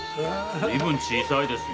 随分小さいですね。